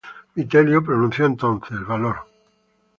Vitelio pronunció entonces: "Valor".